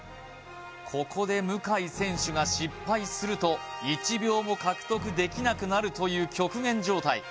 ここで向選手が失敗すると１秒も獲得できなくなるという極限状態